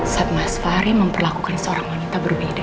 saat mas fahri memperlakukan seorang wanita berbeda dari wanita itu